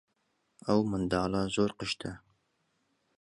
ئەو منداڵە زۆر قشتە.